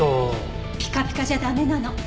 ピカピカじゃ駄目なの。